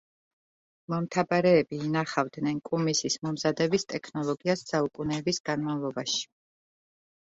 მომთაბარეები ინახავდნენ კუმისის მომზადების ტექნოლოგიას საუკუნეების განმავლობაში.